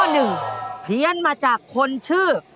เฮียนมาจากคนชื่อ